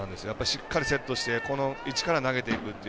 しっかりセットして一から投げていくと。